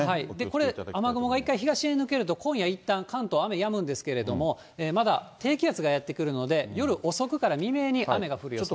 これ、雨雲がいったん東へ抜けると、今夜いったん、関東雨やむんですけれども、まだ低気圧がやって来るので未明に雨が降る予想です。